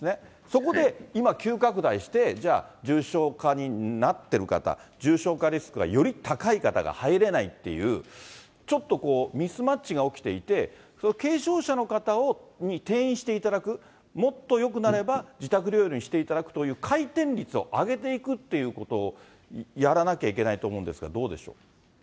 そこで今、急拡大して、じゃあ、重症化になってる方、重症化リスクがより高い方が入れないという、ちょっとミスマッチが起きていて、軽症者の方を転院していただく、もっとよくなれば、自宅療養にしていただくという回転率を上げていくということをやらなきゃいけないと思うんですが、どうでしょう。